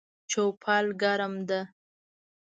چوپال ګرم ده